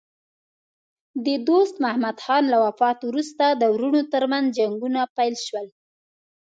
د دوست محمد خان له وفات وروسته د وروڼو ترمنځ جنګونه پیل شول.